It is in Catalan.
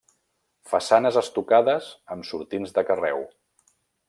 Façanes estucades amb sortints de carreu.